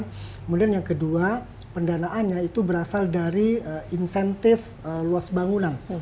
kemudian yang kedua pendanaannya itu berasal dari insentif luas bangunan